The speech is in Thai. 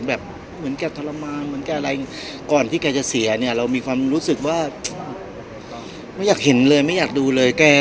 แบบเหมือนแกทรมานเหมือนแกอะไรก่อนที่แกจะเสียเนี่ยเรามีความรู้สึกว่าไม่อยากเห็นเลยไม่อยากดูเลย